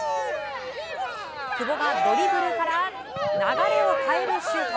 久保がドリブルから流れを変えるシュート。